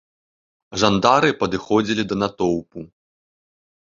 Жандары падыходзілі да натоўпу.